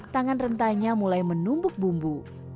tangan rentainya mulai menumbuk bumbu